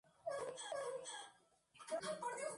Fue precursor de la tragedia.